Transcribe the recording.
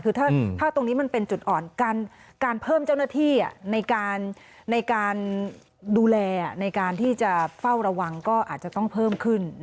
คือถ้าตรงนี้มันเป็นจุดอ่อนการเพิ่มเจ้าหน้าที่ในการดูแลในการที่จะเฝ้าระวังก็อาจจะต้องเพิ่มขึ้น